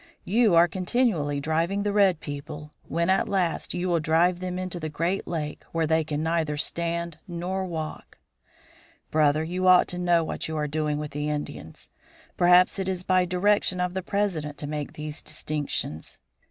You are continually driving the red people; when, at last, you will drive them into the Great Lake, where they can neither stand nor walk. "Brother, you ought to know what you are doing with the Indians. Perhaps it is by direction of the President to make these distinctions.